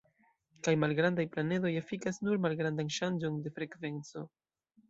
Kaj malgrandaj planedoj efikas nur malgrandan ŝanĝon de frekvenco.